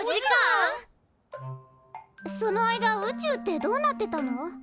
その間宇宙ってどうなってたの？